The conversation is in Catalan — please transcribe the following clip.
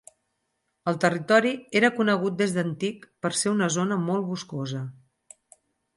El territori era conegut des d'antic per ser una zona molt boscosa.